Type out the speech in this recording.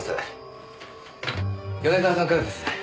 米沢さんからです。